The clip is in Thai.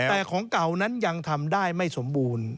แต่ของเก่านั้นยังทำได้ไม่สมบูรณ์